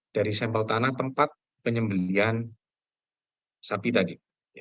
dari sampel tanah tempat penyembelian sapi tadi